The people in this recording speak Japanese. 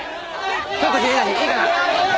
ちょっと君たちいいかな。